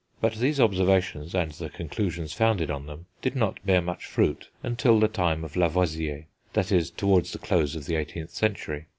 But these observations and the conclusions founded on them, did not bear much fruit until the time of Lavoisier, that is, towards the close of the 18th century.